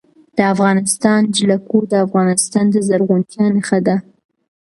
د افغانستان جلکو د افغانستان د زرغونتیا نښه ده.